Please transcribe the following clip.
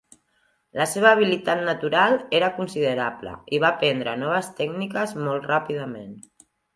La seva habilitat natural era considerable i va aprendre noves tècniques molt ràpidament.